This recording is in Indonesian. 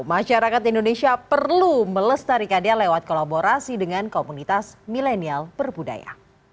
masyarakat indonesia perlu melestarikannya lewat kolaborasi dengan komunitas milenial berbudaya